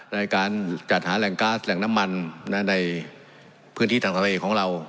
ในการจัดหาแหล่งก๊าซแหล่งน้ำมันในพื้นที่ทางทะเลของเรา